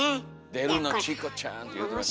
「出るのチコちゃん」って言うてましたね。